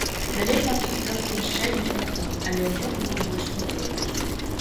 Далей нам сустрэўся яшчэ адзін кардон, але ўжо было больш людзей.